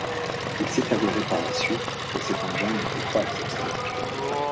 Il s'est avéré par la suite que cet engin n'était pas explosif.